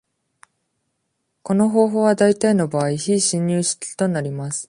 この方法は、大抵の場合、非侵入式となります。